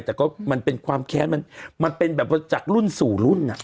แต่ก็มันเป็นความแค้นมันเป็นแบบว่าจากรุ่นสู่รุ่น